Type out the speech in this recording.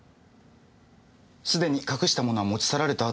すでに隠したものは持ち去られたあと。